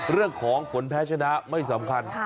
เรื่องของผลแพ้ชนะไม่สำคัญ